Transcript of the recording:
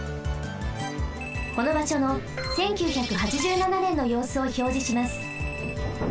このばしょの１９８７ねんのようすをひょうじします。